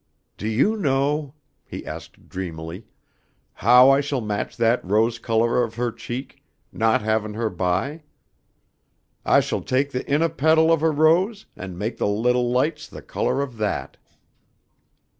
"Do you know?" he asked dreamily, "how I shall match that rose color of her cheek, not havin' her by? I shall taik the innah petal of a rose and maik the little lights the color of that."